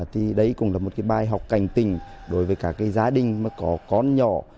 thì đấy cũng là một bài học cảnh tình đối với cả gia đình có con nhỏ